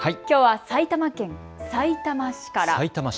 きょうは埼玉県さいたま市から。